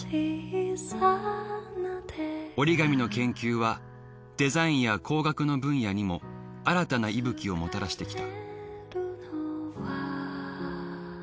折り紙の研究はデザインや工学の分野にも新たな息吹をもたらしてきた。